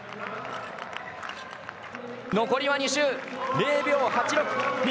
残りは２周、０秒８６。